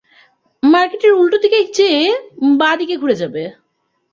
মার্কেটের উল্টো দিকে যেয়ে বাঁ-দিকে ঘুরে যাবে।